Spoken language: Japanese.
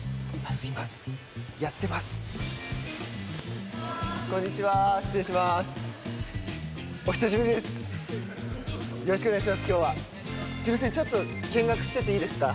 すいません、ちょっと見学してていいですか。